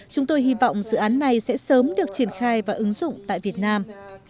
chúng tôi hy vọng dự án này sẽ sớm được triển khai và ứng dụng tại việt nam